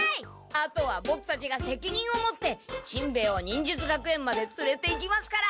あとはボクたちがせきにんを持ってしんべヱを忍術学園までつれていきますから。